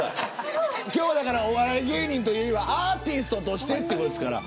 今日はお笑い芸人というよりはアーティストとしてですから。